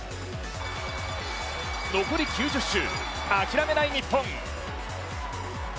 残り９０周、諦めない日本。